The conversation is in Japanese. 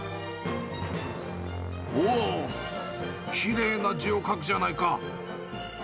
おー、きれいな字を書くじゃないか。